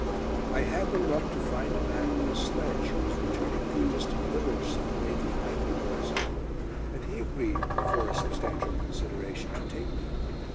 I had the luck to find a man with a sledge, who was returning to a distant village, some way behind the war zone, and he agreed for a substantial consideration to take me.